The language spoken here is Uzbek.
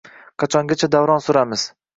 Qachongacha davron suramiz?